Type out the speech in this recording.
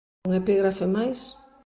¿Un epígrafe máis?